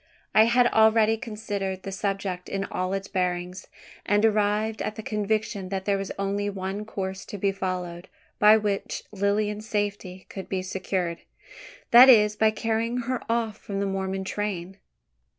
I had already considered the subject in all its bearings; and arrived at the conviction that there was only one course to be followed, by which Lilian's safety could be secured that is, by carrying her off from the Mormon train.